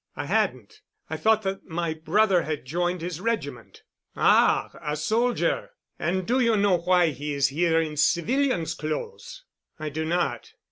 "I hadn't. I thought that my brother had joined his regiment." "Ah—a soldier! And do you know why he is here in civilian's clothes?" "I do not."